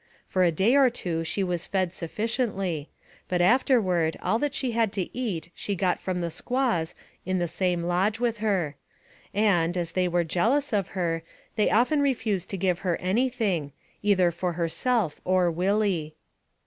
For a day or two she was fed sufficiently ; but afterward all that she had to eat she got from the squaws in the same lodge with her ; and, as they were jealous of her, they often re fused to give her any thing, either for herself or Willie.